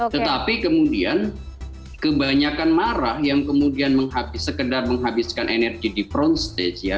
tetapi kemudian kebanyakan marah yang kemudian menghabis sekedar menghabiskan energi di front stage ya